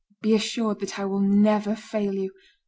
Be assured that I will never fail you.